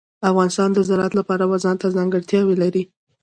افغانستان د زراعت د پلوه ځانته ځانګړتیا لري.